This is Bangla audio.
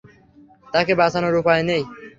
তাকে বাঁচানোর উপায় নেই!